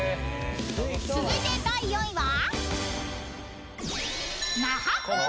［続いて第４位は？］